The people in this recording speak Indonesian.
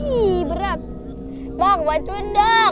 iih berat bang bantu enggak